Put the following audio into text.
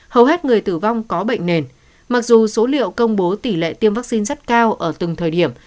hầu hết người tử vong có bệnh nền mặc dù số liệu công bố tỷ lệ tiêm vaccine rất cao ở từng thời điểm